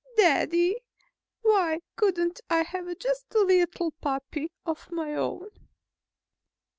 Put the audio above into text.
"Daddy, why couldn't I have just a little puppy of my own?"